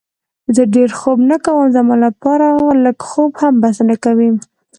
زه ډېر خوب نه کوم، زما لپاره لږ خوب هم بسنه کوي.